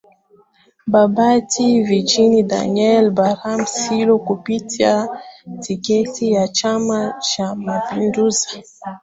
Babati Vijijini Daniel Baran Silo kupitia tiketi ya Chama cha mapinduzi